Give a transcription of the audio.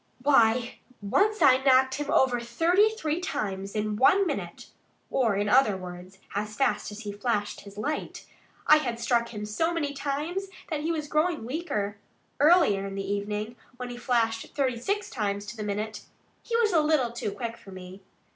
Why, once I knocked him over thirty three times in one minute or in other words, as fast as he flashed his light. ... I had struck him so many times that he was growing weaker. Earlier in the evening, when he flashed thirty six times to the minute, he was a little too quick for me."